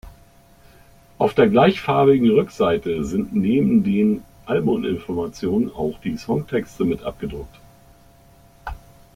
Auf der gleichfarbigen Rückseite sind neben den Album-Informationen auch die Songtexte mit abgedruckt.